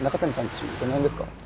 家どの辺ですか？